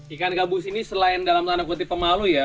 ikan gabus ini selain dalam tanda kutip pemalu ya